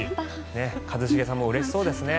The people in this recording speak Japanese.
一茂さんもうれしそうですね。